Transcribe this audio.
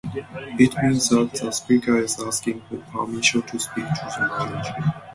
It means that the speaker is asking for permission to speak to the manager.